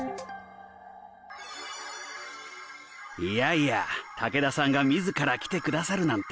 いやいや武田さんが自ら来て下さるなんて。